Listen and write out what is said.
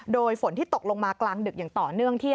โดยฝนที่ตกลงมากลางดึกอย่างต่อเนื่อง